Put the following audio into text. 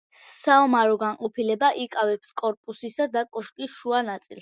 საომარი განყოფილება იკავებს კორპუსისა და კოშკის შუა ნაწილს.